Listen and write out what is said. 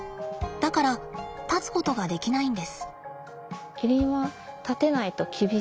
だから立つことができないんです。